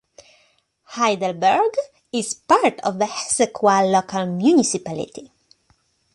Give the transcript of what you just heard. Heidelberg is part of the Hessequa Local Municipality.